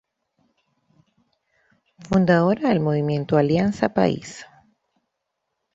Fundadora del Movimiento Alianza País.